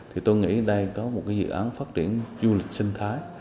thì tôi nghĩ đây có một cái dự án phát triển du lịch sinh thái